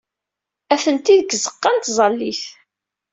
Atenti deg tzeɣɣa n tẓallit.